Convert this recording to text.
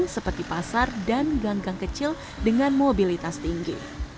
seperti pasar dan gang gang kecil dengan mobilitas tinggi